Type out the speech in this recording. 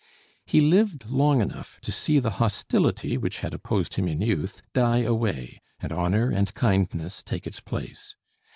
He lived long enough to see the hostility which had opposed him in youth die away, and honor and kindness take its place.